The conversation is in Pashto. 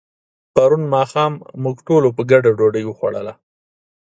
پرون ماښام موږ ټولو په ګډه ډوډۍ وخوړله.